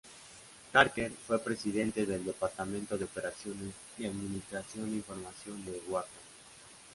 Harker fue presidente del Departamento de Operaciones y Administración de Información de Wharton.